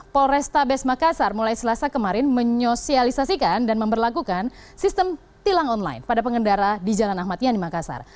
polrestabes makassar mulai selasa kemarin menyosialisasikan dan memperlakukan sistem tilang online pada pengendara di jalan ahmad yani makassar